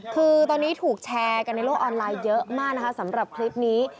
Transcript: คือตอนนี้ถูกแชร์กันในโลกออนไลน์เยอะมากนะคะสำหรับคลิปนี้